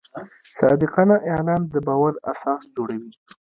صادقانه اعلان د باور اساس جوړوي.